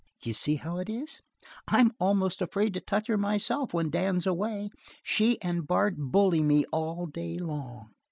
"You see how it is. I'm almost afraid to touch her myself when Dan's away; she and Bart bully me all day long."